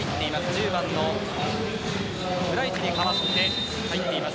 １０番のブライチに代わってフォルトゥナが入っています。